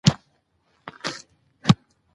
دځنګل حاصلات د افغانستان د سیلګرۍ د صنعت یوه برخه ده.